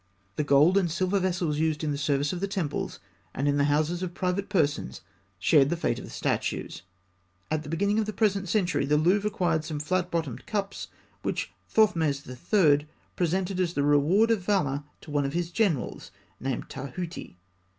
The gold and silver vessels used in the service of the temples, and in the houses of private persons, shared the fate of the statues. At the beginning of the present century, the Louvre acquired some flat bottomed cups which Thothmes III. presented as the reward of valour to one of his generals named Tahûti.